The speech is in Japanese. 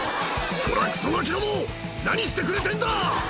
「こらクソガキども何してくれてんだ！」